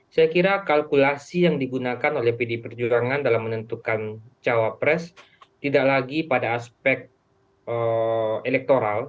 saya kira kalkulasi yang digunakan oleh pd perjuangan dalam menentukan cawapres tidak lagi pada aspek elektoral